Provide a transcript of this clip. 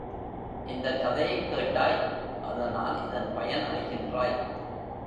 இந்தக்கதையைக் கேட்டாய் அதனால் இதன் பயன் அறிகின்றாய்.